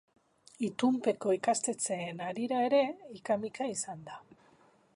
Itunpeko ikastetxeen harira ere ika-mika izan da.